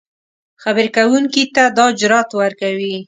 خبرې کوونکي ته دا جرات ورکوي